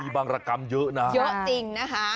บังรกรรมเยอะนะ